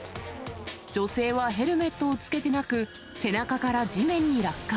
女性はヘルメットをつけてなく、背中から地面に落下。